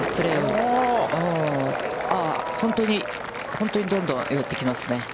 本当にどんどん寄ってきますね。